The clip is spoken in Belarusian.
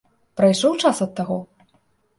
Прайшоў час ад таго?